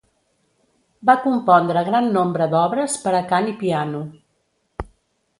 Va compondre gran nombre d'obres per a cant i piano.